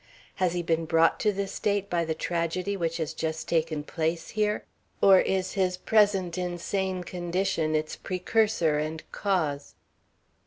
"Has he been brought to this state by the tragedy which has just taken place here, or is his present insane condition its precursor and cause?"